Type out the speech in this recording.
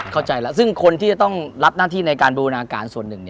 เข้าใจแล้วซึ่งคนที่จะต้องรับหน้าที่ในการบูรณาการส่วนหนึ่ง